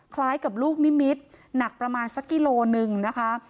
คล้ายกับลูกนิมิตรหนักประมาณสักกิโลหนึ่งนะคะ